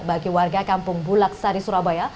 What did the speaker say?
bagi warga kampung bulaksari surabaya